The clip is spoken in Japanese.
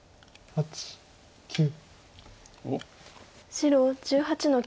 白１８の九。